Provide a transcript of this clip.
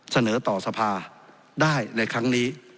เสนอต่อสภาได้ในครั้งนี้